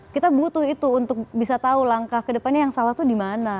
kita butuh itu untuk bisa tahu langkah kedepannya yang salah itu di mana